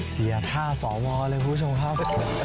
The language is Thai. เสียค่าสวเลยคุณผู้ชมครับ